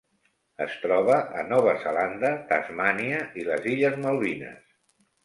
Es troba a Nova Zelanda, Tasmània i les Illes Malvines.